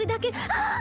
「あっ！